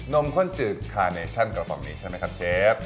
มข้นจืดคาเนชั่นกระป๋องนี้ใช่ไหมครับเชฟ